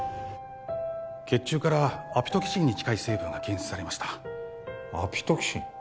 血中からアピトキシンに近い成分が検出されましたアピトキシン？